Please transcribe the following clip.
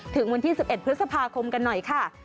ถึงวันที่๑๑พฤษภาคมกันหน่อยค่ะ